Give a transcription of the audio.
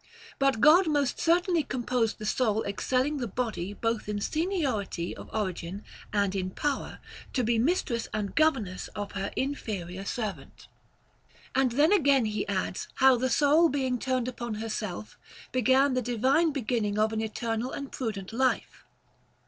But God most certainly composed the soul ex celling the body both in seniority of origin and in power, to be mistress and governess of her inferior servant." Timaeus, p. 34 B. 336 OF THE PROCREATION OF THE SOUL. And then again he adds, how that the soul, being turned upon herself, began the divine beginning of an eternal and prudent life.